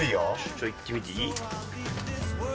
ちょっといってみていい？